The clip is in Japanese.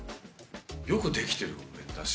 よく出来てるお面だし。